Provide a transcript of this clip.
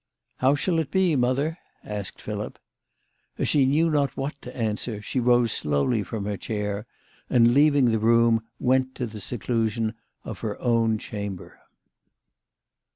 " How shall it be, mother ?" asked Philip. As she knew not what to answer she rose slowly from her chair, and leaving the room went to the seclusion of her own chamber.